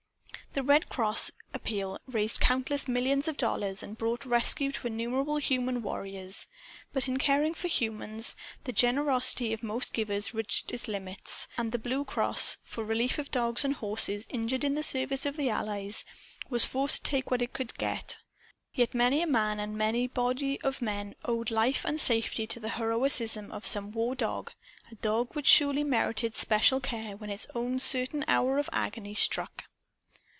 The Red Cross appeal raised countless millions of dollars and brought rescue to innumerable human warriors. But in caring for humans, the generosity of most givers reached its limit; and the Blue Cross "for the relief of dogs and horses injured in the service of the Allies" was forced to take what it could get. Yet many a man, and many a body of men, owed life and safety to the heroism of some war dog, a dog which surely merited special care when its own certain hour of agony struck.